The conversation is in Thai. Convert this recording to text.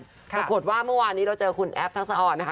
ปรากฏว่าเมื่อวานนี้เราเจอคุณแอฟทักษะอ่อนนะคะ